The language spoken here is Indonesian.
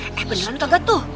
gak ada gantian kaget tuh